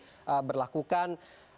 protokol yang diberlakukan